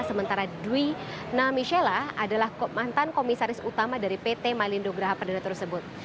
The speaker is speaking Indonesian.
sementara duwina mishela adalah mantan komisaris utama dari pt mailindo graha perdana tersebut